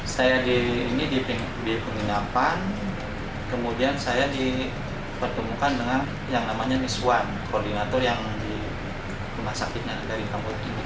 saya di penginapan kemudian saya dipertemukan dengan yang namanya miss huang koordinator yang di rumah sakitnya dari kamboja ini